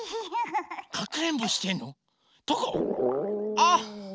あっ！